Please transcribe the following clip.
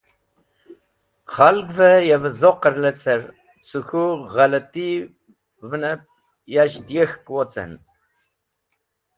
K̃halgvẽ yavẽ zoqẽr lecẽr, cẽ k̃hũ ghlatimẽb yek̃hk wocẽn.